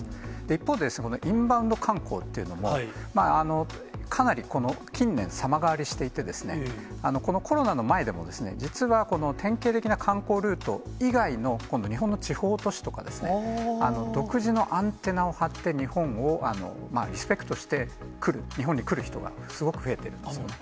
一方で、インバウンド観光というのも、かなり近年、様変わりしていて、このコロナの前でも、実は典型的な観光ルート以外の、今度、日本の地方都市とか、独自のアンテナを張って、日本をリスペクトして来る、日本に来る人が、すごく増えてるんですよね。